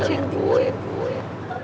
jangan tinggal di buit